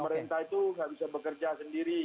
pemerintah itu nggak bisa bekerja sendiri